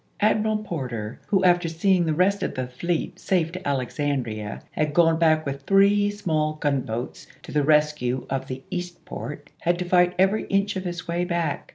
Admiral Porter, who after seeing the rest of the fleet safe to Alexandria had gone back with three small gunboats to the rescue of the Eastport, had to fight every inch of his way back.